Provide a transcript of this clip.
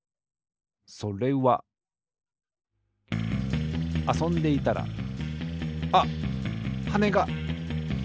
それはあそんでいたらあっはねが！